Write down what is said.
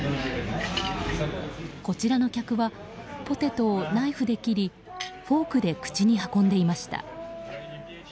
こちらの客はポテトをナイフで切りフォークで口に運んでいました。